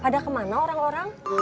pada kemana orang orang